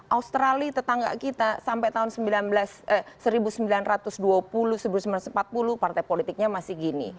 australia tetangga kita sampai tahun seribu sembilan ratus dua puluh seribu sembilan ratus empat puluh partai politiknya masih gini